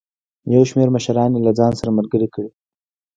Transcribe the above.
یو شمېر مشران یې له ځان سره ملګري کړي.